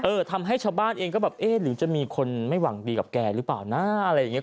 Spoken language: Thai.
ทำให้ชาวบ้านเองก็แบบเอ๊ะหรือจะมีคนไม่หวังดีกับแกหรือเปล่านะอะไรอย่างนี้